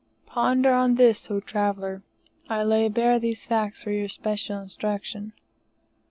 Ponder on this, O traveller! I lay bare these facts for your special instruction.